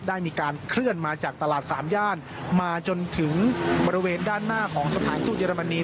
ได้มีการเคลื่อนมาจากตลาดสามย่านมาจนถึงบริเวณด้านหน้าของสถานทูตเยอรมนี